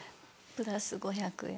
プラス５００円とか。